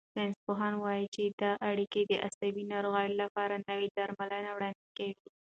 ساینسپوهان وايي چې دا اړیکه د عصبي ناروغیو لپاره نوي درملنې وړاندې کوي.